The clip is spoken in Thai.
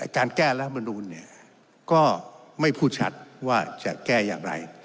การแก้รามรุนเนี่ยก็ไม่พูดชัดว่าจะแก้อย่างไร